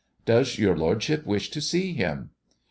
Does your lordship wish to see him?"